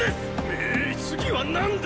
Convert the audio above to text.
ええィ次は何だ！